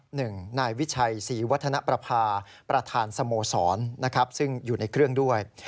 นายวิชัยศรีวัฒนประภาประธานสโมสรนะครับซึ่งอยู่ในเครื่องด้วย